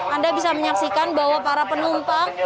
anda bisa menyaksikan bahwa para penumpang